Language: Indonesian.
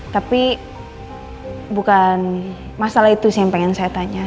tapi bukan masalah itu sih yang pengen saya tanya